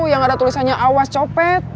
yang ada tulisannya awas copet